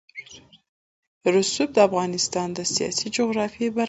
رسوب د افغانستان د سیاسي جغرافیه برخه ده.